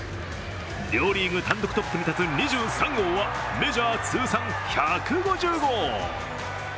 両リーグ単独トップに立つ２３号はメジャー通算１５０号。